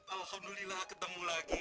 alhamdulillah ketemu lagi